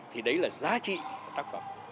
thì đấy là giá trị của tác phẩm